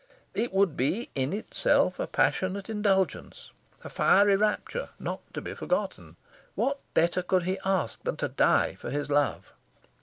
It would be in itself a passionate indulgence a fiery rapture, not to be foregone. What better could he ask than to die for his love?